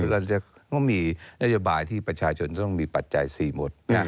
เราก็มีนโยบายที่ประชาชนต้องมีปัจจัยสี่หมด